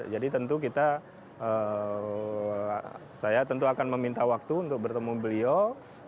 jadi tentu saya akan meminta waktu untuk bertemu beliau